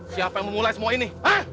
siapa yang memulai semua ini